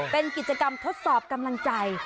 เป็นกิจกรรมทดสอบกำลังใจ